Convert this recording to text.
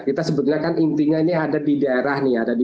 kita sebetulnya kan intinya ini ada di daerah nih